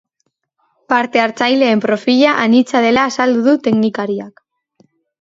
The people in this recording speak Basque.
Parte hartzaileen profila anitza dela azaldu du teknikariak.